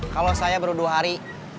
kalau saya baru dua hari